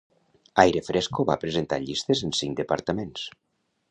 Aire Fresco va presentar llistes en cinc departaments.